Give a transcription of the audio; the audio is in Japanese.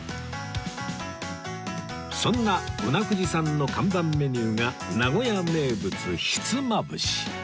そんなうな富士さんの看板メニューが名古屋名物ひつまぶし